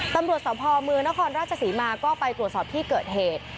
ตำรวจสภเมืองนครราชศรีมาก็ไปตรวจสอบที่เกิดเหตุ